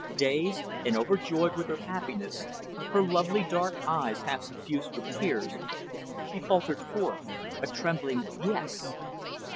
Dazed, and overjoyed with her happiness, her lovely dark eyes half suffused with tears, she faltered forth a trembling yes.